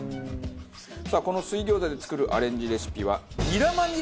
さあこの水餃子で作るアレンジレシピは。